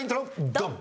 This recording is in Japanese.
ドン！